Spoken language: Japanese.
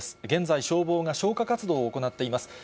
現在、消防が消火活動を行っています。